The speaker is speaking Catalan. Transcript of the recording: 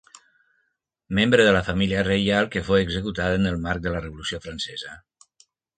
Membre de la família reial que fou executada en el marc de la Revolució Francesa.